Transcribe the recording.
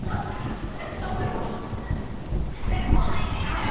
おいたちの思い出は誰も入れんじゃなかと？